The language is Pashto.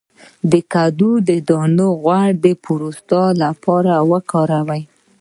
د کدو دانه غوړي د پروستات لپاره وکاروئ